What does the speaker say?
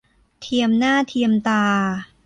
เทียมหน้าเทียมตา